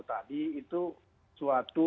tadi itu suatu